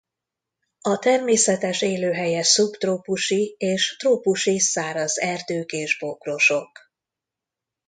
A természetes élőhelye szubtrópusi és trópusi száraz erdők és bokrosok.